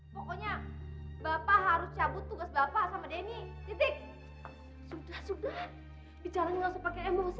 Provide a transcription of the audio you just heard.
pokoknya bapak harus cabut tugas bapak sama denny titik sudah sudah bicaranya langsung pakai emosi